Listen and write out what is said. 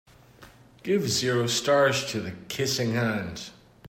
Give zero stars to The Kissing Hand